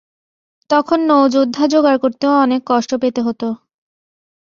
তখন নৌ-যোদ্ধা যোগাড় করতেও অনেক কষ্ট পেতে হত।